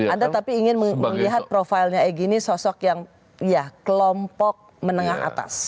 anda tapi ingin melihat profilnya egy ini sosok yang ya kelompok menengah atas